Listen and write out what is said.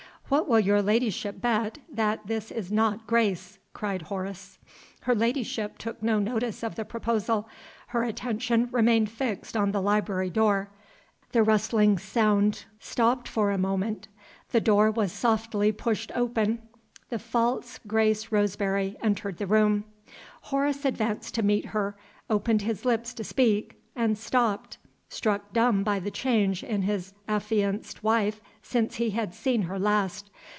"What will your ladyship bet that this is not Grace?" cried Horace. Her ladyship took no notice of the proposal; her attention remained fixed on the library door. The rustling sound stopped for a moment. The door was softly pushed open. The false Grace Roseberry entered the room. Horace advanced to meet her, opened his lips to speak, and stopped struck dumb by the change in his affianced wife since he had seen her last.